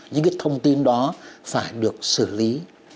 những cái thông tin đó phải được xử lý